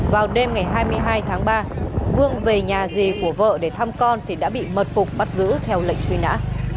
vào đêm ngày hai mươi hai tháng ba vương về nhà dì của vợ để thăm con thì đã bị mật phục bắt giữ theo lệnh truy nã